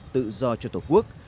tự do cho tổ quốc